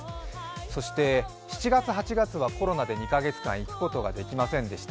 そして７月８月はコロナで２か月間、行くことができませんでした。